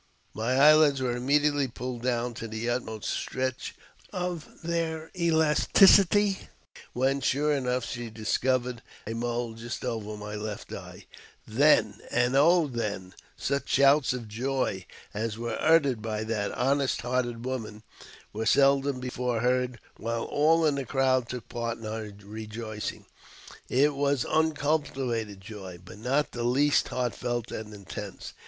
My eyelids were immediately pulled down to the utmost stretch of their elasticity, when, sure enough, she discovered a mole just over my left eye !" Then, and oh then! " such shouts of Joy as were uttered by that honest hearted woman were seldom before heard, while all in the crowd took part in her rejoicing. It was uncultivated joy, but not the less heartfelt and intense.